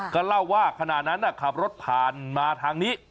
ก็เล่าว่าขณะนั้นขับรถผ่านมาทางนี้